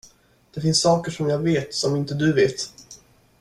Det finns saker som jag vet som inte du vet.